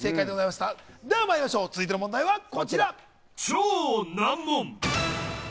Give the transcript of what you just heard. まりいましょう、続いての問題はこちら。